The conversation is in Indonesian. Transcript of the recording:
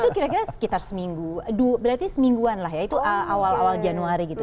itu kira kira sekitar seminggu berarti semingguan lah ya itu awal awal januari gitu